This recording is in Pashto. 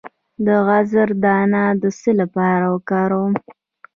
د زغر دانه د څه لپاره وکاروم؟